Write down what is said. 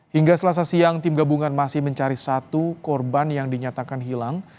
hingga selasa siang tim gabungan masih mencari satu korban yang dinyatakan hilang